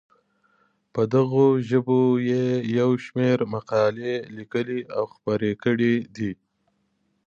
په دغو ژبو یې یو شمېر مقالې لیکلي او خپرې کړې دي.